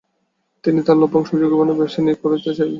তিনি তার লভ্যাংশ ঝুঁকিপূর্ণ ব্যবসায় নিয়োগ করতে চেয়েছিলেন।